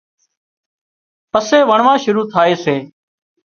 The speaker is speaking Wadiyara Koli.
پسي وڻوا شُروع ٿائي سي